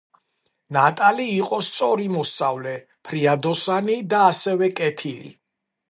ნატალი იყო სწორი მოსწავლე ფრიადოსანი და ასევე კეთილი